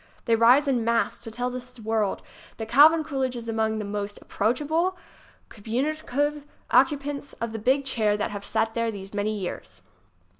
They rise en masse to tell the world that Calvin Coolidge is among the most ap proachable, communicative occupants of the big chair that have sat there these many years.